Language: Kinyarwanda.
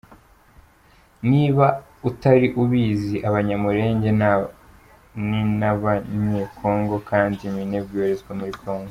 Niba utari ubizi, Abanyamurenge ni n’Abanyekongo kandi Minembwe ibarizwa muri Kongo.